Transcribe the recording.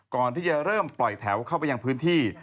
ก่อนที่จะเริ่มปล่อยแถวเข้าไปยังพื้นที่